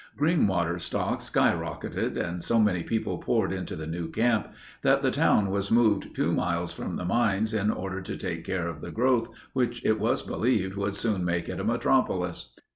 Greenwater stocks sky rocketed and so many people poured into the new camp that the town was moved two miles from the mines in order to take care of the growth which it was believed would soon make it a metropolis.